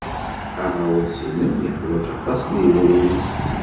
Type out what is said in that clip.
Aɣawas-nnem yeḥwaj aṭas n yedrimen.